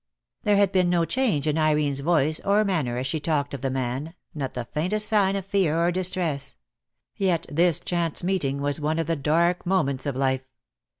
There had been no change in Irene's voice or manner as she talked of the man, not the faintest sign of fear or distress; yet this chance meeting was one of the dark moments of life.